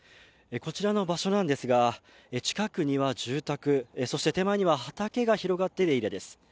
こちらの場所ですが、近くには住宅、そして手前には畑が広がっているエリアです。